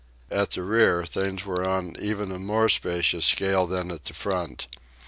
At the rear things were on even a more spacious scale than at the front.